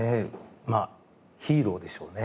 まあヒーローでしょうね。